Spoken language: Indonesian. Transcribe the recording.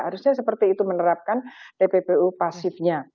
harusnya seperti itu menerapkan tppu pasifnya